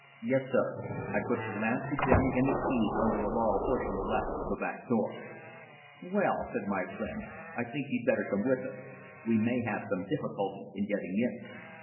"Yes, sir. I've put the lamp, the jemmy and the keys under a laurel bush on the left of the back door." "Well," said my friend, "I think you'd better come with us. We may have some difficulty in getting in."